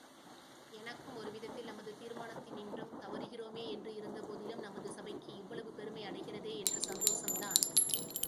எனக்கும், ஒரு விதத்தில் நமது தீர்மானத்தினின்றும் தவறுகிறோமேயென்று இருந்த போதிலும் நமது சபைக்கு இவ்வளவு பெருமையடைகிறதே என்ற சந்தோஷம்தான்.